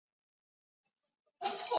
芸香科柑橘类等。